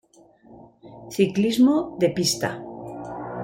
Ciclismo de pista.